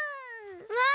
うわ！